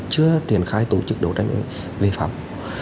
chưa triển khai tổ chức đấu tranh về phòng